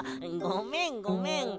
ごめんごめん。